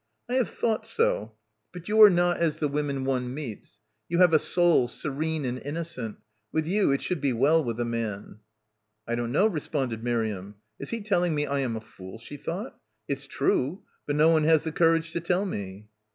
"I have thought so. But you are not as the women one meets. You have a soul serene and innocent. With you it should be well with a man." 70 BACKWATER "I don't know," responded Miriam. "Is he telling me I am a fool?" she thought. "It's true, but no one has the courage to tell me."